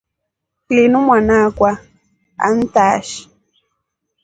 Linu mwanaakwa antaashi.